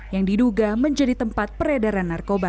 yang diduga menjadi tempat peredaran narkoba